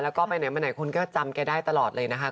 แล้วก็ไปไหนมาไหนคนก็จำแกได้ตลอดเลยนะคะ